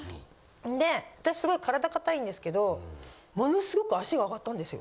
で私すごい体かたいんですけどものすごく足が上がったんですよ。